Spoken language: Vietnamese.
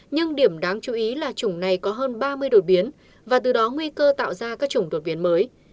nhưng điểm đáng chú ý là chủng này có hơn ba mươi đột biến và từ đó nguy cơ tạo ra các chủng đột biến mới